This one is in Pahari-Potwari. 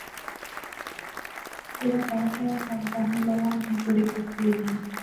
بیرا گا تے فاروق آخنے لاغا مجید بڑی ترقی ہوئی گئی